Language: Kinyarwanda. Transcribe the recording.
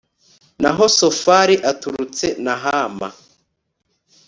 naho sofari aturutse nahama